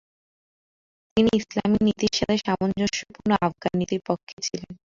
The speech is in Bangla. তিনি ইসলামি নীতির সাথে সামঞ্জস্যপূর্ণ আফগান নীতির পক্ষে ছিলেন।